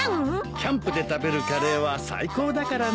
キャンプで食べるカレーは最高だからね。